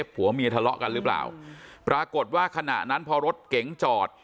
ผัวเมียทะเลาะกันหรือเปล่าปรากฏว่าขณะนั้นพอรถเก๋งจอด